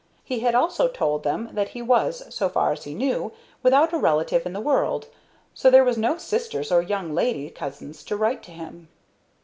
He had also told them that he was, so far as he knew, without a relative in the world, so there were no sisters or young lady cousins to write to him.